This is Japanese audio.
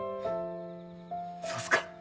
そうっすか。